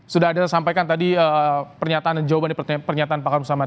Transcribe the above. sudah ada yang sampaikan tadi pernyataan dan jawaban dari pernyataan pak kamru samad